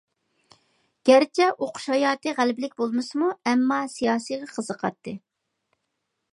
گەرچە ئوقۇش ھاياتى غەلىبىلىك بولمىسىمۇ، ئەمما سىياسىيغا قىزىقاتتى.